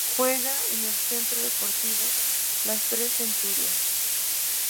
Juega en el Centro Deportivo Las Tres Centurias